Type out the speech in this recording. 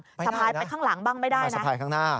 สะพายไปข้างหลังบ้างไม่ได้นะสะพายข้างหน้า